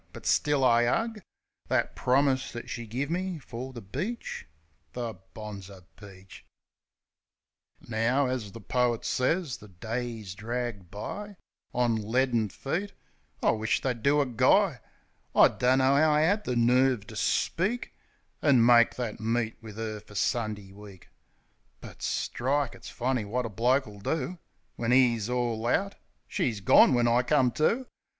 But still I 'ug That promise that she give me fer the beach. The bonzer peach! THE INTRO 83 Now, as the poit sez, the days drag by On ledding feet. I wish't they'd do a guy. I dunno 'ow I 'ad the nerve ter speak, An' make that meet wiv 'er fer Sundee week! But strike! It's funny wot a bloke '11 do When 'e's all out. ... She's gorn, when I come to.